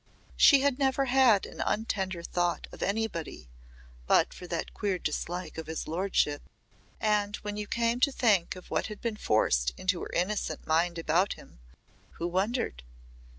She had never had an untender thought of anybody but for that queer dislike to his lordship And when you came to think of what had been forced into her innocent mind about him, who wondered?